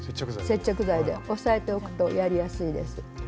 接着剤で押さえておくとやりやすいです。